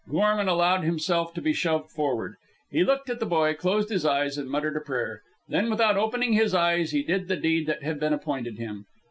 Gorman allowed himself to be shoved forward. He looked at the boy, closed his eyes, and muttered a prayer. Then, without opening his eyes, he did the deed that had been appointed him.